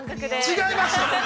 ◆違います。